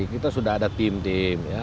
kita sudah ada tim tim ya